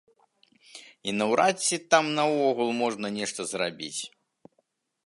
І наўрад ці там наогул можна нешта зрабіць.